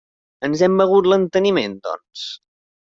Ens hem begut l'enteniment, doncs?